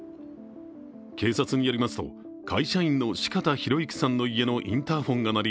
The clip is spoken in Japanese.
警察によりますと、会社員の四方洋行さんの家のインターフォンが鳴り、